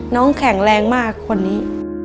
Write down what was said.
แข็งแรงมากคนนี้